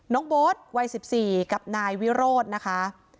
โบ๊ทวัย๑๔กับนายวิโรธนะคะ